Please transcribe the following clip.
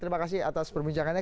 terima kasih atas perbincangannya